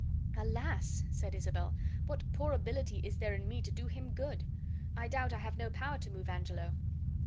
"Alas!" said Isabel, "what poor ability is there in me to do him good? I doubt I have no power to move Angelo."